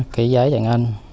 ký giấy giải ngân